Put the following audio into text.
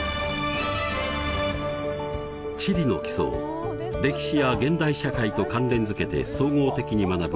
地理の基礎を歴史や現代社会と関連づけて総合的に学ぶ